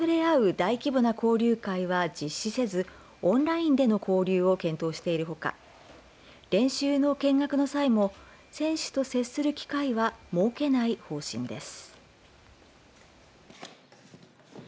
大規模な交流会は実施せずオンラインでの交流を検討しているほか練習の見学の際も選手と接する機会は設けない方針です。